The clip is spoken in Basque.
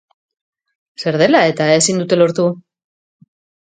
Zer dela eta ezin dute lortu?